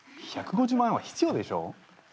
１５０万円は必要でしょう。